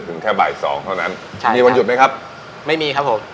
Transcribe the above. แค่บ่ายสองเท่านั้นใช่มีวันหยุดไหมครับไม่มีครับผม